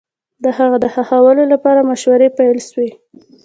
د هغه د ښخولو لپاره مشورې پيل سوې